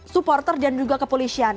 supporter dan juga ke polisian